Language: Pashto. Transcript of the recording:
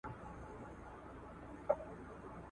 د وارداتو کمښت په بازار کي بیي لوړي کړي.